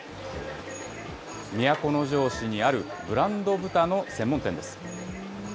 都城市にあるブランド豚の専門店です。